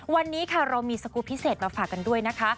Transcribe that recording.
วันนี้ค่ะเรามีสกุลพิเศษมาฝากกันด้วยนะคะ